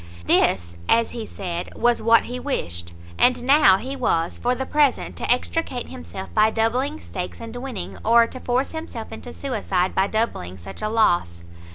This, as he said, was what he wished; and now he was, for the present, to extricate himself by doubling stakes and winning, or to force himself into suicide by doubling such a loss.